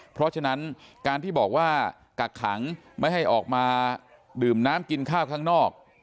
เพราะฉะนั้นการที่บอกว่ากักขังไม่ให้ออกมาดื่มน้ำกินข้าวข้างนอก